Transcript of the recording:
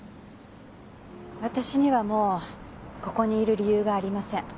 私にはもうここにいる理由がありません。